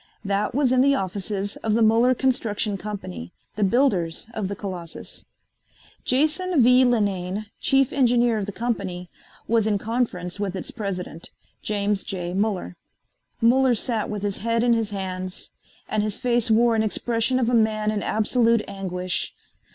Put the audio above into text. That was in the offices of the Muller Construction Company, the builders of the Colossus. Jason V. Linane, chief engineer of the company, was in conference with its president, James J. Muller. Muller sat with his head in his hands, and his face wore an expression of a man in absolute anguish.